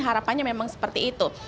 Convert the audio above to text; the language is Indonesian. harapannya memang seperti itu